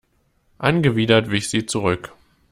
Angewidert wich sie zurück.